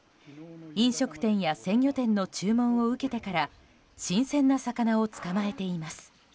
飲食店や鮮魚店の注文を受けてから新鮮な魚を捕まえています。